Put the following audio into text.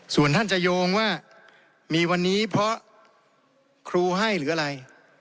ส่วนท่านจะโยงว่ามีวันนี้เพราะครูให้หรืออะไร